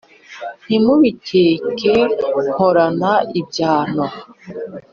Ntimubikeke mporana ibyano.